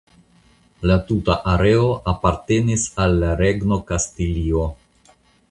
La tuta areo apartenis al la Regno Kastilio.